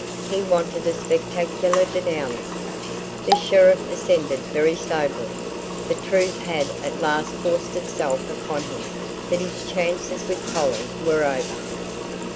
He wanted a spectacular dénouement. The sheriff assented very soberly. The truth had at last forced itself upon him that his chances with Polly were over.